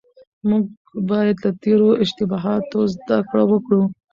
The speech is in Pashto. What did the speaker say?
موږ بايد له تېرو اشتباهاتو زده کړه وکړو.